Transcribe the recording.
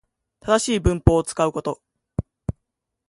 正しい文法を使うこと